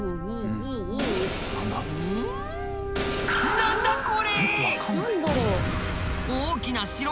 何だこれ！？